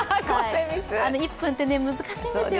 １分って難しいんですよ